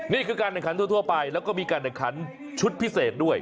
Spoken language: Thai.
นี่คือการแข่งขันทั่วไปแล้วก็มีการแข่งขันชุดพิเศษด้วย